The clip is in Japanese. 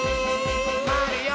まわるよ。